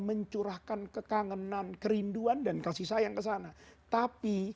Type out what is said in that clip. mencurahkan kekangenan kerinduan dan kasih sayang ke sana tapi